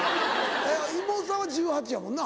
妹さんは１８やもんな。